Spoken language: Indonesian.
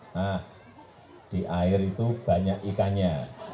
nah di air itu banyak ikannya